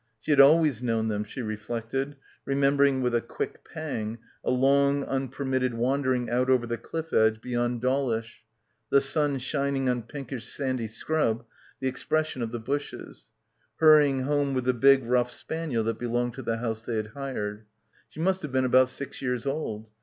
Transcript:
She had always known them she reflected, remembering with a quick pang a long, unpermitted wandering out over the cliff edge beyond Dawlish, the sun shin ing on pinkish sandy scrub, the expression of the bushes ; hurrying home with the big rough spaniel that belonged to the house they had hired. She must have been about six years old.